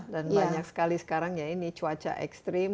dan banyak sekali sekarang ya ini cuaca ekstrim